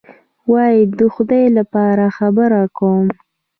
وایي: د خدای لپاره خبره کوم.